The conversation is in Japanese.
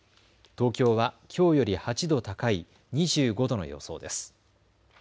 東京はきょうより８度高い２５度の予想です。